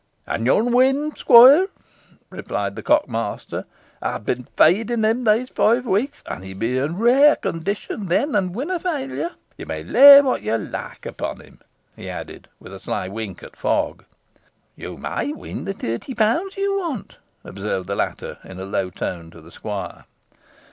"And yo'n win, squoire," replied the cock master; "ey ha' been feedin' him these five weeks, so he'll be i' rare condition then, and winna fail yo. Yo may lay what yo loike upon him," he added, with a sly wink at Fogg. "You may win the thirty pounds you want," observed the latter, in a low tone to the squire.